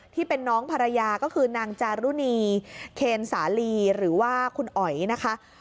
ที่เป็นน้องภรรยาก็คือนางจารุณีเคนสาลีหรือว่าคุณอ๋อยนะคะ